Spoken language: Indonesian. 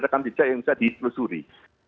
rekan baca yang bisa ditelusuri